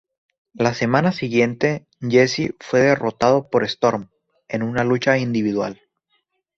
La semana siguiente, Jesse fue derrotado por Storm en una lucha individual.